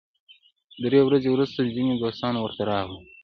درې ورځې وروسته ځینې دوستان ورته راغلل.